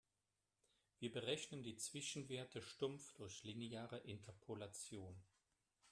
Wir berechnen die Zwischenwerte stumpf durch lineare Interpolation.